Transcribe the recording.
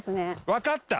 わかった！